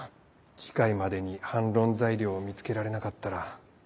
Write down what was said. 次回までに反論材料を見つけられなかったら。